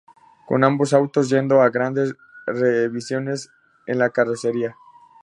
Con ambos autos yendo a grandes revisiones en la carrocería.